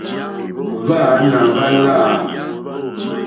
Hwáǎnà hwá láǃá.